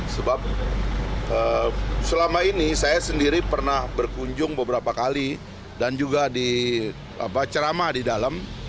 sebab selama ini saya sendiri pernah berkunjung beberapa kali dan juga di ceramah di dalam